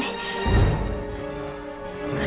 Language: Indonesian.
apa yang terjadi disini